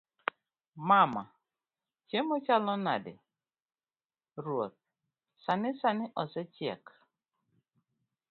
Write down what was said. mama; chiemo chalo nade? ruoth; sani sani osechiek